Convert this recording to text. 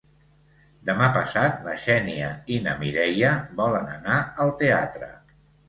Demà passat na Xènia i na Mireia volen anar al teatre.